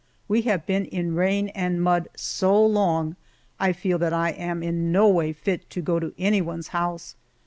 We have been in rain and mud so long I feel that I am in no way fit to go to anyone's house.